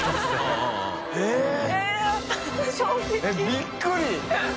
┐びっくり！